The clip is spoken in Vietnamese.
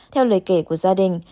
theo lời kể của gia đình